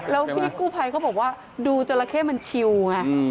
แล้วพี่กู้ภัยเขาบอกว่าดูจราเข้มันชิวไง